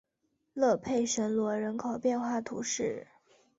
勒佩什罗人口变化图示